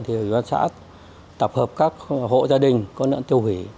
thì văn xã tập hợp các hộ gia đình có lợn tiêu hủy